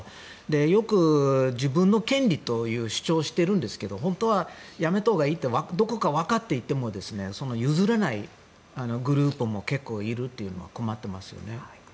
よく自分の権利と主張しているんですけど本当はやめたほうがいいってどこか、わかっていても譲れないグループも結構いるというので困っていますよね。